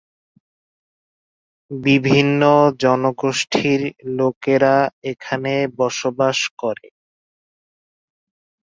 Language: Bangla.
বিভিন্ন জনগোষ্ঠীর লোকেরা এখানে বসবাস করে।